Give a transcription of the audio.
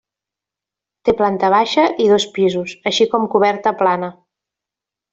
Té planta baixa i dos pisos, així com coberta plana.